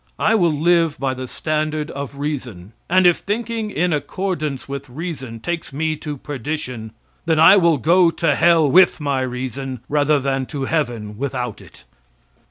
I will live by the standard of reason, and if thinking in accordance with reason takes me to perdition, then I will go to hell with my reason rather that to heaven without it.